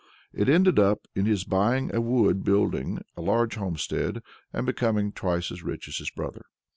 It ended in his buying a wood, building a large homestead, and becoming twice as rich as his brother.